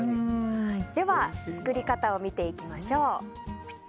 では、作り方を見ていきましょう。